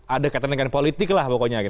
ada katanya kan politik lah mas ari